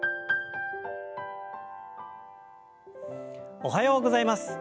おはようございます。